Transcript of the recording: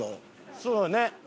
そうね。